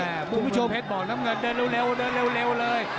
บุคลุงเพชรบ่อนน้ำเงินเดินเร็วเลย